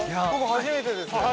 ◆初めてですか？